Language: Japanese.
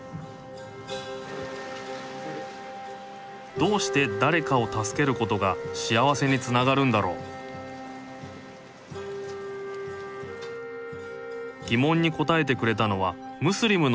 どうして誰かを助けることが幸せにつながるんだろう疑問に答えてくれたのはムスリムの大学生たち。